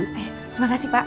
eh terima kasih pak